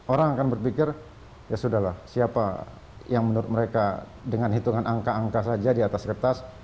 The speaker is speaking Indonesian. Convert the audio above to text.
orang akan berpikir ya sudah lah siapa yang menurut mereka dengan hitungan angka angka saja di atas kertas